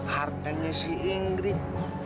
hartanya si ingrid